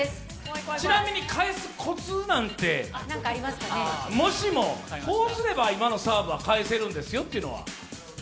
ちなみに、返すコツなんて、もしも、こうすれば今のサーブは返せるんですよというのは。